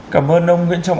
cảm ơn ông nguyễn trọng